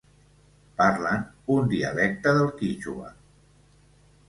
Parlen un dialecte del quítxua.